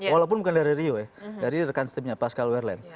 walaupun bukan dari rio ya dari rekan steve nya pascal wehrlein